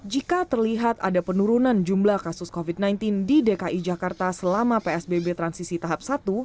jika terlihat ada penurunan jumlah kasus covid sembilan belas di dki jakarta selama psbb transisi tahap satu